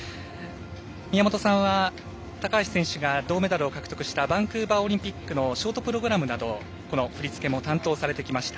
宮本さんは高橋選手が銅メダルを獲得したバンクーバーオリンピックのショートプログラムなどの振り付けも担当されてきました。